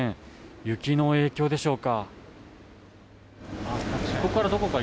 雪の影響でしょうか。